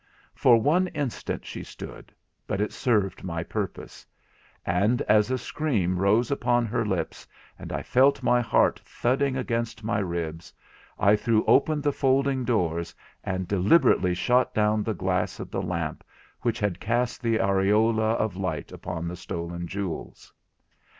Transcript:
For one instant she stood, but it served my purpose; and as a scream rose upon her lips, and I felt my heart thudding against my ribs, I threw open the folding doors, and deliberately shot down the glass of the lamp which had cast the aureola of light upon the stolen jewels.